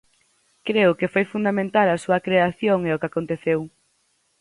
Creo que foi fundamental a súa creación e o que aconteceu.